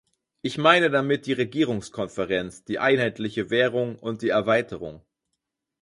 Ich meine damit die Regierungskonferenz, die einheitliche Währung und die Erweiterung.